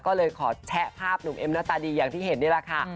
ก็เลยขอแชะภาพหนุ่มเอ็มหน้าตาดีอย่างที่เห็นนี่แหละค่ะ